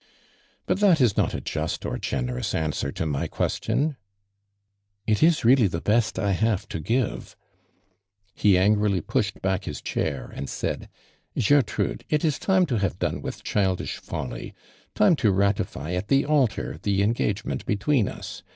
" But that is not a. just or jjenerous an swer to my (jucstion." *' It is really tho best I hsive to givt*."' Ho angrily pushed back liis chnir and .*iid: "Gertrudi'.it is time to havo dona with cliildish folly — tin\e to nitit'y at the altar the engagement between us.